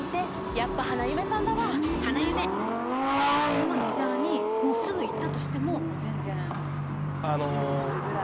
今メジャーにすぐ行ったとしてももう全然通用するぐらい？